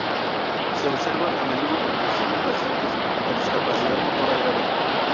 Se observa a menudo depresión en pacientes con discapacidad motora grave.